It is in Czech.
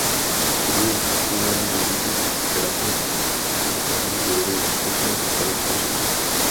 Studium absolvoval dokončením sgrafit výstavní budovy na Světové výstavě v Paříži.